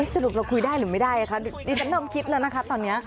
สรุปเราคุยได้หรือไม่ได้คะดิฉันลองคิดแล้วนะคะตอนนี้